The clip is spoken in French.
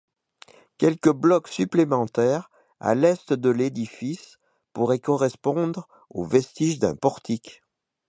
Quelques blocs supplémentaires à l'est de l'édifice pourraient correspondre aux vestiges d'un portique.